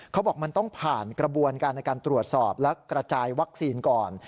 เขาบอกมันต้องผ่านกระบวนการในการตรวจสอบและกระจายวัคซีนก่อน